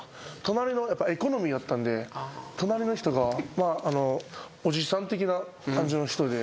エコノミーだったんで隣の人がおじさん的な人で。